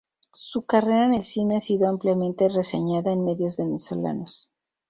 Su carrera en el cine ha sido ampliamente reseñada en medios venezolanos.